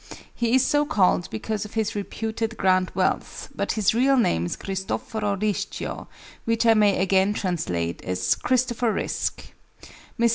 He is so called because of his reputed great wealth; but his real name is Christoforo Rischio, which I may again translate, as Christopher Risk. Mrs.